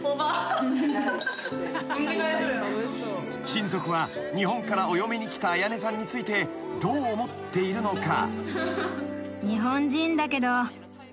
［親族は日本からお嫁に来た彩音さんについてどう思っているのか？］